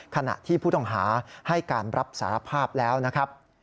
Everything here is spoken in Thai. ขณะที่ผู้ต้องหาให้การรับสารภาพแล้วนะครับ